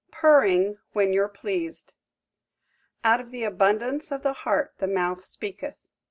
PURRING WHEN YOU'REPLEASED "Out of the abundance of the heart the mouth speaketh."